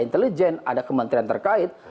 intelijen ada kementerian terkait